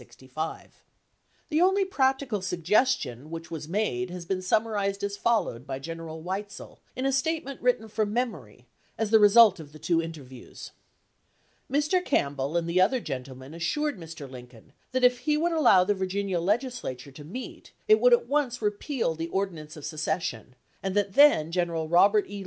The only practical suggestion which was made has been summarized as follows by General Weitzel in a statement written from memory, as the result of the two interviews :" Mr. Campbell and the other gentlemen assured Mr. Lincoln that if he would allow the Virginia Legislature to meet, it would at once repeal the ordinance of secession, and that then General Robert E.